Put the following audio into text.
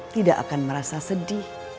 tidak akan merasa sedih